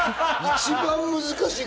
一番難しい。